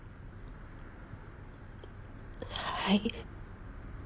はい。